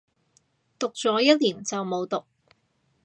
讀咗一年就冇讀